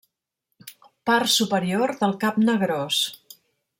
Part superior del cap negrós.